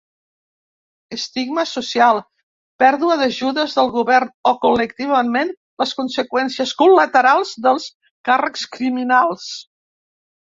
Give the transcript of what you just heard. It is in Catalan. estigma social, pèrdua d'ajudes del govern, o, col·lectivament, les conseqüències col·laterals dels càrrecs criminals.